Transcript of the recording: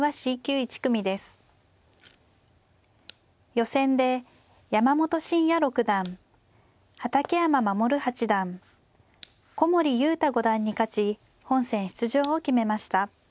予選で山本真也六段畠山鎮八段古森悠太五段に勝ち本戦出場を決めました。